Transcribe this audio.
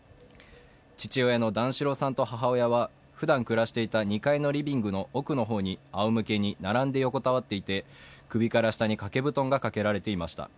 父親の段四郎さんと母親はふだん暮らしていた２階のリビングの奥の方にあおむけに並んで横たわっていて首から下に掛け布団がかけられていました。